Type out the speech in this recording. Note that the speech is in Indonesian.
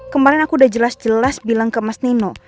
kemarin aku udah jelas jelas bilang ke mas nino